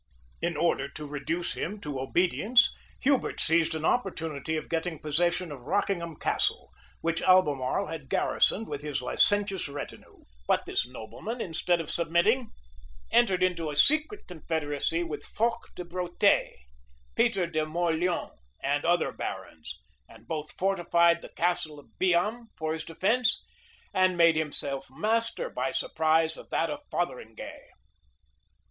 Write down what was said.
In order to reduce him to obedience, Hubert seized an opportunity of getting possession of Rockingham Castle, which Albemarle had garrisoned with his licentious retinue: but this nobleman, instead of submitting, entered into a secret confederacy with Fawkes de Breauté, Peter de Mauleon, and other barons, and both fortified the Gastle of Biham for his defence, and made himself master by surprise of that of Fotheringay.